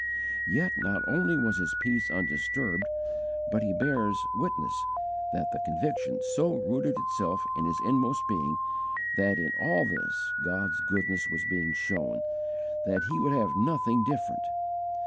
Yet not only was his peace undisturbed, but he bears witness that the conviction so rooted itself in his inmost being that in all this God's goodness was being shown, that he would have had nothing different.